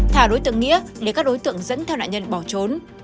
thả đối tượng nghĩa để các đối tượng dẫn theo nạn nhân bỏ trốn